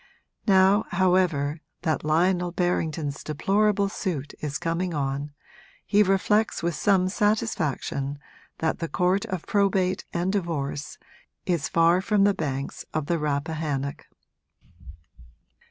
Now, however, that Lionel Berrington's deplorable suit is coming on he reflects with some satisfaction that the Court of Probate and Divorce is far from the banks of the Rappahannock.